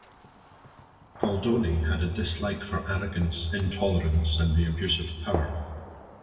Goldoni had a dislike for arrogance, intolerance and the abuse of power.